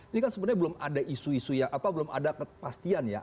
ini kan sebenarnya belum ada isu isu ya apa belum ada kepastian ya